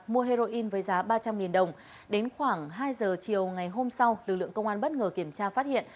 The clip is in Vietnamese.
mua heroin với giá ba trăm linh đồng đến khoảng hai giờ chiều ngày hôm sau lực lượng công an bất ngờ kiểm tra phát hiện